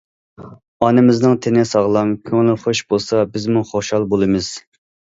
ئانىمىزنىڭ تېنى ساغلام، كۆڭلى خۇش بولسا بىزمۇ خۇشال بولىمىز.